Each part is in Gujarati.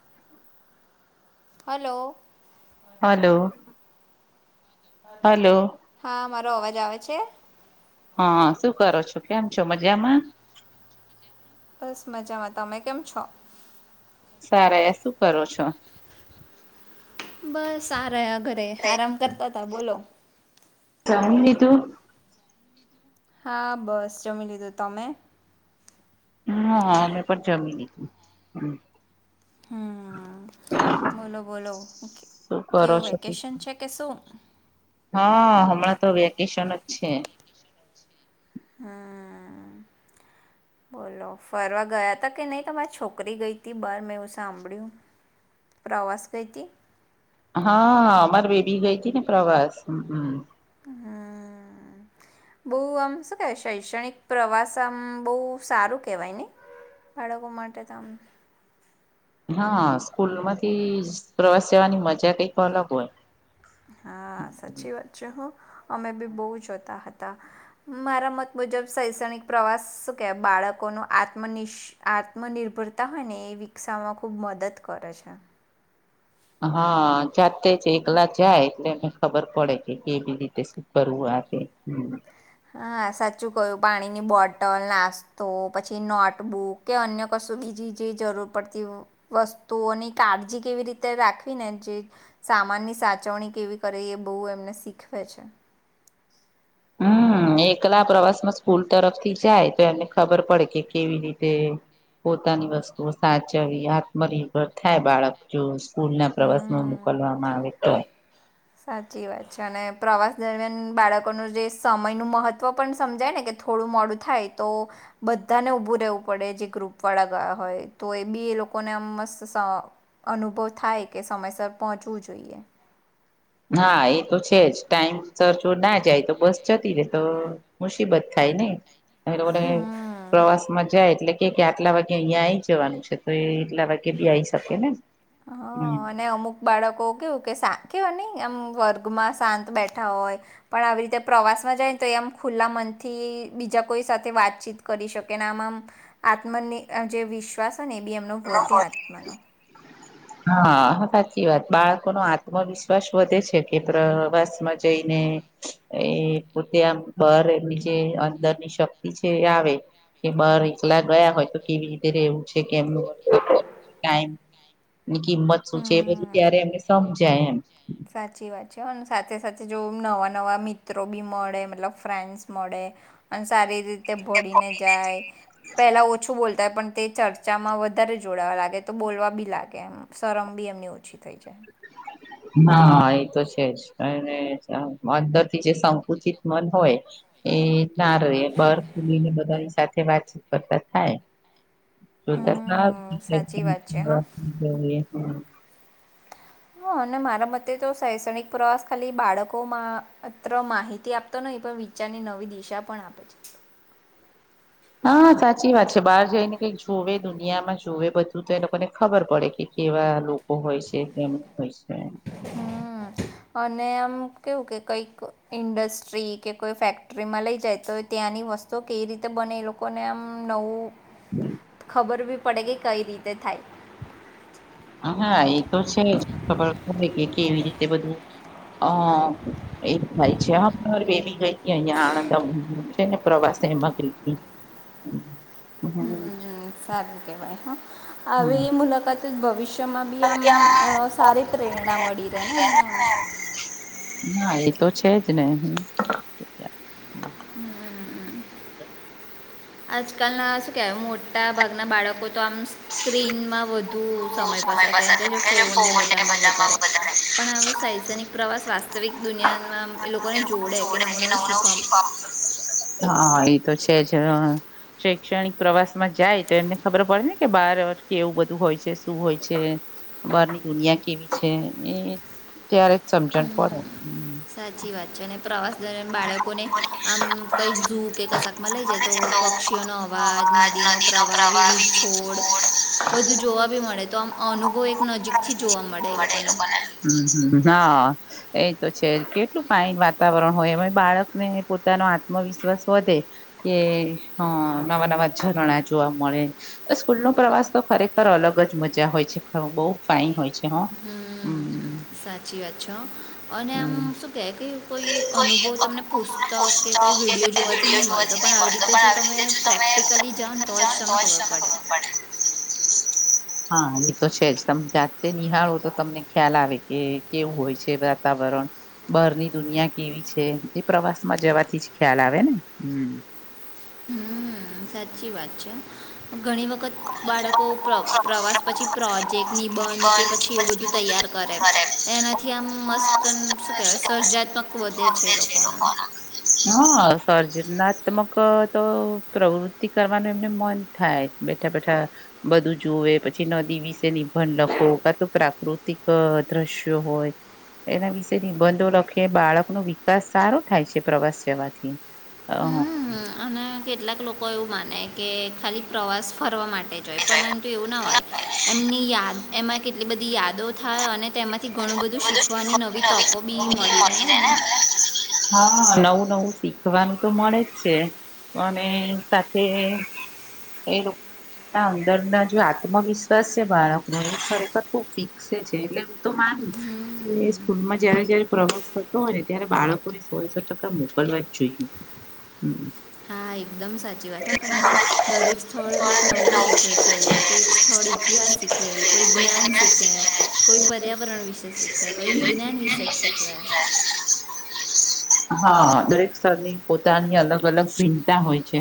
[inaudible] હલો. હાલો. હા, મારો અવાજ આવે છે. હા શું કરો છો? કેમ છો મજામાં? બસ મજામાં. તમે કેમ છો? સારા એ શું કરો છો? બસ આ રહ્યા, ઘરે આરામ કરતા તા બોલો. જમી લીધું? હા બસ જમી લીધું. તમે? હા અમે પર જમી લીધું, હમ્મ. હમ્મ. બોલો-બોલો. ક શું કરો કેવું છો વેકેશન છે કે શું? હા હમણાં તો વેકેશન જ છે. હમ્મ. [inaudible] બોલો ફરવા ગયા હતા કે નહીં? તમાર છોકરી ગઈ હતી બહાર મેં એવું સાંભળ્યું. પ્રવાસ ગઈ તી? હા અમાર બેબી ગઈ તી ને પ્રવાસ. હમ્મ-હમ્મ. હમ્મ. બહું આમ શું કેય શૈક્ષણિક પ્રવાસ આમ બહું સારું કેવાય ને. અડોગ માટે માટે તામને હા સ્કૂલમાંથી પ્રવાસ જવાની મજા કઈક અલગ હોય હા સાચી વાત છે હું અમે બી બહુ જોતા હતા મારા મત મુજબ શૈક્ષણિક પ્રવાસ શું કે બાળ બાળકો આત્ આત્મનિર્ભરતા હોય ને એ વિકસાવવામાં ખૂબ મદદ કરે છે હા જાતે જ એકલા જાય એટલે એને ખબર પડે કે કેવી રીતે શું કરવુંય રાી હમ હા સાચું કયું પાણીની બોટલ નાસ્તો પછી નોટબુક કે અન્ય કશું બીજી જે જરૂર પડતી વસ્તુઓની કાળજી કેવી રીતે રાખવી ને જે સામાનની સાચવણી કેવી કરે એ બહુ એમને શીખવે છે હમ એકલા પ્રવાસ માં સ્કૂલ તરફથી જાય તો એમને ખબર પડે કે કેવી રીતે પોતાની વસ્તુઓ સાચવી આત્મનિર્ભર થાય બાળક જો સ્કૂલ ના પ્રવાસમાં હમ મોકલવામાં આવે તો સાચી વાત છે અને પ્રવાસ દરમિયાન બાળકોનું જે સમય ન મહત્વ પણ સમજાય ને કે થું મોડું થાય તો બધાને ઉભું રવું પડે જે ગુપ વાળા ગ હોય તો લોકોને મસ્ત અનુભવ થાય કે સમયસર પહોંચવું જોઈએ હા એ તો છે જ ટાઈમ ચર્ચુર ના જાય તો બસ જતી રે તો મુસીબત થાય લોકો હમ પ્રવાસ માં જાય એટલે કે કે આટલા વાગે અહિયાં આ જવાનું છે તો એ એટલા વાગે બી આઈ શકે ને હા હમ અને અમુક બાળકો કેવું કે શા કેવા નહીં એમ વર્ગમાં શાંત બેઠા હોય, પણ આવી રીતે પ્રવાસ માં જાય ને તો એમ ખુલ્લા મનથી ઈ બીજા કોઈ સાથે વાતચીત કરી શકે ને આમ આમ આત્મની અહ જે વિશ્વાસ ને એ બી એમનો વધે આત્માનો હા સાચી વાત બાળકો નો આત્મવિશ્વાસ વધે છે કે પ્રવાસ માં જઈને એ પોતે આમ બર એની જે અંદરની શક્તિ છે એ આવે કે બર એકલા ગયા હોય તો કેવી રીતે રવું છે કેમનું ટાઈમ ની કિંમત શું છે એ બધું ત્યારે હમ એમને સમજાય એમ ક અને સાથે સાથે જો નવા નવા મિત્રો બી મળે મતલબ ફ્રેન્ડ્સ મળે અને સારી રી તે ભળીને જાય પેલા ઓછું બોલતાય પણ તે ચર્ચામાં વધારે જોડાવા લાગે તો બોલવા બી લાગે એમ શરમ બી એમની ઓછી થઈ છે હ હા એ તો છે જ અને અંદરથી જે સંકુચિત મન હોય એ ના ર બ ખલીને બધાની સાથે વાતચીત કરતા થાય શતા ના હમ સાચી વાત છે હા હ અને મારા મતે તો શૈક્ષણિક પ્રવાસ ખાલી બાળકો મામાં અત્ર માહિતી આપતો નથી પણ વિચારની નવી દિશા પણ આપે છે [inaudible] હા સાચી વાત છે બહાર જઈ ને કઈક જોવે દુનિયામાં જોુવે બધું તો એ લોકોને ખબર પડે કે કેવાત લોકોકો છે કેમશે હમ અને આમ કેવું કે કઈક ઇન્ડસ્ટ્રી કે કોઈ ફેક્ટરીમાં લઇ જાય તો ત્યાંની વસ્તુ કેવી રીતે બને એ લોકોને આમ નવું ખબર ભી પડે કે કઈ રીતે થાય હા એ તો છે જ ખબર કેવી રીતે બધું અ એજ થાય છે હર બેલી ગઈ હતી અહિયાયા આણંદ છે ને પ્રવાસે એમાં ગ હમ હમ સારું કેવાય હ આવી મુલાકાત જ ભવિષ્ય બી આમ સારી પ્રેરણા મળી રહે ને એમનેમ હા એ તો છે જ ને હ હમ આજકાલ ના શું કેય મોટા ભાગના બાળકો તો આમ સ્ક્રીનમાં વધુ વધુ સમય પાસેમ પસાર કે કરી ફોન ફોનને ને બધામાં વધારે પણ આો શૈક્ષણિક પ્રવાસસ્ત તવી દુનિયામાં એ લોકોને જોડે કે નવું નવું શીખવા હા એ તો છે જ શૈક્ષણિક પ્રવાસ માં જાય તો એમને ખબર પડે ને કે બાર કે એવું બધું હોય છે શું હોય છે બહારની દુનિયા કેવી છે ત્યારે સમજણ હમ, પડે હ સાચી વાત છે અને પ્રવાસ દરમિયાન બાળકોને આમ કંઈ જૂ કે કશાકમાં લઈ જાય તો પક્ષીઓનો અવાજ નદી ન પ્રવાહ વિવિ છોડ બું જોવા ભી મળે તો આમ અનુભવ એક નજીક હા એ તો છે. કેટલું કઈ વાત વાતાવરણ હોય એમાં બાળકને પોતાનો આત્મવિશ્વાસ વધે કે હ નવા નવા ઝરણા જોવા મળે તો સ્કૂલ નો પ્રવાસ તો ખરેખર અલગ જ મજા હોય છે. બહાય હોય છે. હ હમ્મ. હ સાચી વાત છો અને આમ હમ શું કેહે કે કોઈ અનુભવ તમને પુસ્તક કે કોંઈ વિડીયો જોવાથી નહીં મળતો પણ આવી રીતે જો તમે પ્રેક્ટ પ્રેક્ટિકલી જ તો જ ત ખબર પડે. [inaudible] હા એ તો છે જ તમે જાતે નિહાળો તો તમને ખ્યાલ આવે કે કેવું હોય છે વાતાવરણ. બહારની. દુનિયા કેવી છે એ પ્રવાસ માં જવાથી જ ખ્યાલ આવે ને હમ હમ્મ. સાચી વાત છે. ઘણી વખત બાળકો પ્ર પ્રવાસ પછી પ્રોજેક્ટ નિબંધ કે પછી એવું બધું તૈયાર કરે એનાથી આમ મસ્ત શું કેવાય સર્જાત્મક વધે છે એ લોકોને. હા સર્જનાત્મક તો પ્રવૃતિ કરવાનું એમને મન થાય. બેઠા બેઠા બધું જોુવે પછી નદી વિશે નિભન લખો કા તો પ્રાકૃતિક દ્રશ્ય હોય. એના વિશે નિબંધો લખી બાળકનો વિકાસ સારો થાય છે, પ્રવાસ જવાથી. હ. હમ્મ. અને કેટલાક લોકો એવું માને કે ખાલી પ્રવાસ ફરવા માટે. પરંતુ એવું ના હોય એમની યા એમાં કેટલી બધી યાદો થાય અને ઘણું બધું શીખવાની નવી તકો બી મળી રહે ને એમને નવું નવ શિક્ષવાનુ તો મરે છે મને ત એમ. એ અંદરના જે આત્મવિશ્વાસ છે બાળક ન એ ખરેખર ખુબ વિકસે છે એટલે હું તો માનું. એ હમ્મ. સ્કૂલમાં જયારે જય્યારે પ્રવાસ થતો હોય ને ત્યારે બાળકોને સોળસો ટકા મોકલવા જ જોઈએ. હમ. હા એકદમ સાચી વાત હા તમારી દરેક સ્થળ કંઈક નવું શીખવે છે, કોઈક સ્થળ હ [inaudible] [inaudible] જ કોઈ પર્યાવરણ વિશે શીખે કોઈ વિજ્ઞાન વિશે શીખવે હા દરેક સ્તરની પોતાની અલગ અલગ ભિંતા હોય છે.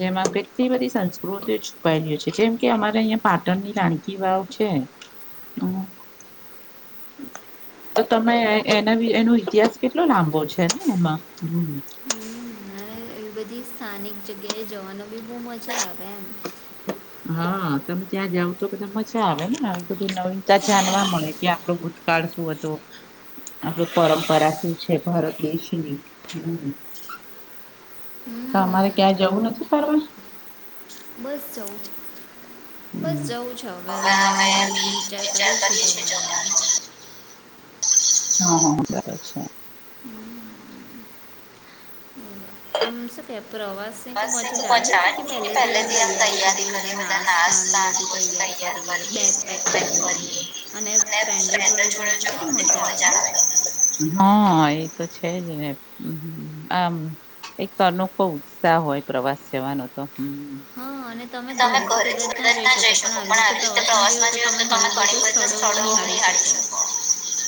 જેમાં કેટલી બધી સંસ્કૃતિઓ છુપાયેલી છે, જેમ કે અમારે અહિયાં પાટણની રાણકી વાવ છે. હમ. તો તમે એના એનો ઇતિહાસ કેટલો લાંબો છે ને એમાં. હ [inaudible] એ બધી સ્થાનિક જગ્યાએ જવાનો બી બહુ મજા આવે એમ હા તમે ત્યાં જાવ તો કધા મજા આવે ને. નવીનતા જાણવા મળે કે આપડો ભૂતકાળ શું હતો. આપડ પરંપરા શું છે ભારત દેશની હ. તો અમારે હમ્મ. ક્યાં જવું નથી ફવા બસ જવું છે બસ જવું છે હવે બી અમે બી વિચાર કરીએ છીએ ચારજે છે ચ. જવાનો હા હ બરા છે. આમ શું બસ કહે એથીું પ્રવાસની તો મજા જ પચાવા આવે ને કે પહેલેથી આમ પહે કરીએ બધા તૈયારી નાસ્તા કરીએ અને બધું ના. તૈયાર કરીએ કયાર બેગ પેક ભરીએએ કરીએ અને ફડ જોડ જ. જરાવના. હા એ તો છે, જને આમ. એક અનોખો ઉત્સાહ હોય પ્રવાસ જવાનો તો હમ. હા અને તમે ઘરેથી કદાજ ના જઈ શકો પણ આવી રીતે પ્રવાસમાં જઓ તો તમે ઘણી બધા સ્થળો. ઉણી હારી શકો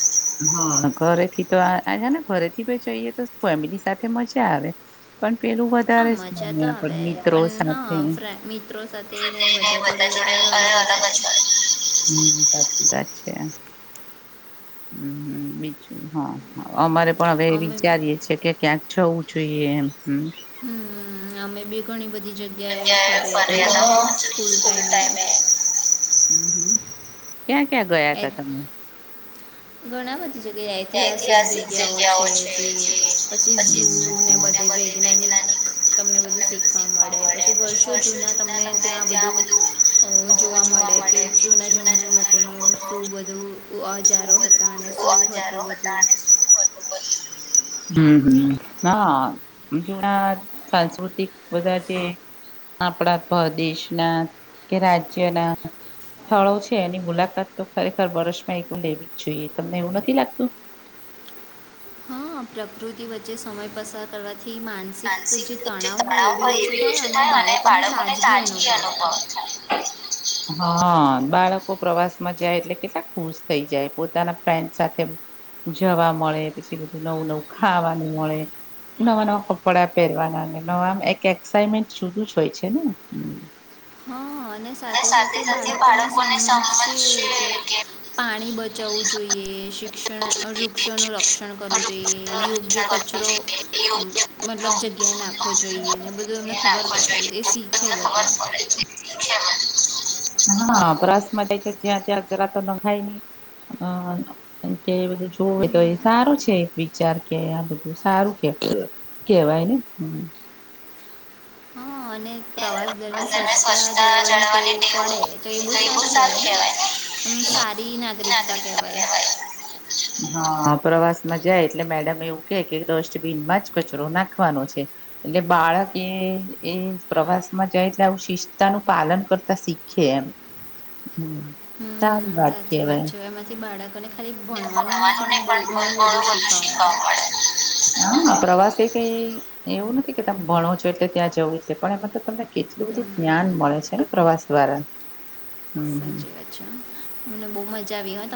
[inaudible] હા ઘરેથી તો આજા ને ઘરેથી ભ જઈએ તો ફેમિલી સાથે મજા આવે પણ પેલું આ વધારે જ મજા ગમે તો આવે આપડા મિત્રો સાથે. સાથેને બધા જોડેયો અય અલગ જ હોય. હમ સાચી વાત છે. હમ બીજું હા અમારે પણ હવે અમે વિચારીએે છેએ કે ક્યાંક છું. જોઈએમ હ હમ અમે બે ઘણી બધી જગ્યાએ ફરે્યા હતા હા સ્કૂલ ટાઈમે. હમ ક્યાં ક્યાં ગયા એ તા તમે? ઘણા બધી જગ્યા ઐતિહાસિક જગ્યાઓ છે. જે પછી ઝૂ ને બધે વૈજ્ઞાનિક તમને બધું શીખવા મળે પછી વર્ષો જૂના તમને ત્યાં બધું જોવા મળે કે જૂના જમાના લોકોનો શું બધું શું અજાર હતા અને શું બધું હજારો હતું હતા બધું અને શું હતું બધું હમ-હમ હા [unintelligible] સાંસ્કૃતિક બધા જે આપણા પ્રદેશના કે રાજ્યના સ્થળો છે એની મુલાકાત તો ખરેખર વર્ષ માં એક લેવી જ જોઈએ તમને એવું નથ નથી લાગતું? હા પ્રકૃતિ વચ્ચે સમય પસાર કરવા થી માનસિક જે તણાવ હોય એ બી ઓછો થાય અને બાળકોને તાજગી અનુભવ થાય. [unintelligible] હા બાળકો પ્રવાસ માં જાય એટલે કેટલાક ખુશ થઈ જાય પોતાના ફ્રેન્ડ સાથે જવા મળે પછી બધું નવું- નવું ખાવાનું મળે નવા- નવા કપડા પહેરવાના ન આમ એક એક્સાઈટમેન્ટ સુધુ જ હોય છે ને હ. હા અને સાથે-સાથે બાળકોને સમજશે કે પાણી બધ જવું જોઈએ શ વૃક્ષોનું રક્ષણ કરવું જોઈએ યોગ્ય કચરો મતલબ જગ્યા નાખવો જોઈએ ને બધું એમને ખબર પડે એ શીખે બધું. [unintelligible] હાપરાસ માટે તો જ્યાં ત્યાં જ રાતો નખાય નહી અ બધું જોવે તો એ સારું છે. વિચાર કે આ બધું સારું કે કેવાય ને. હા અને પ્રવાસ દરમિયાન સ્વચ્છતા જાળવવાની ટેવ પડે તો એ બહુ સારું કહેવાય ને. એમ સારી નાગરિકતા કેહેવાય. હા. પ્રવાસ માં જાય એટલે મેડમ એવું કે કે ડસ્ટબીન માં જ કચરો નાખવાનો છે. એટલે બાળક એ જ પ્રવાસ માં જાય એટલે આવું શિસ્તાનું પાલન કરતા શીખીએ એમ. હમ હમ સારી વાત સાચી કેવાય. છે એમાંથી બાળકોને ખાલી ભણવાનું નહીં પણ બ ઘણું બધું શીખવા મળે [unintelligible] પ્રવાસ એક એ એવું નથી કે તમે ભણો છો એટલે ત્યાં જવું છે પણ એમાં તો તમને કેટલું બનધું હમ જ્ઞાન મળે છે ને પ્રવાસ દ્વારા [unintelligible] સાચી વાત છે. અમને બહુ મજા આવી હોત.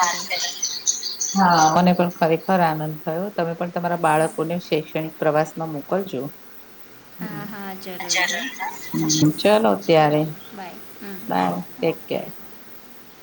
કરી ખરેખર આનંદ થયો તમે પણ તમારા બાળકોને શૈક્ષણિક પ્રવાસ માં મોકલજો. હા હા જરૂર હા [inaudible] ચલો ત્યારે ચલો bye hmm bye take care. [inaudible]